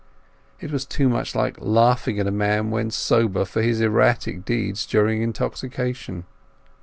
It was too much like laughing at a man when sober for his erratic deeds during intoxication.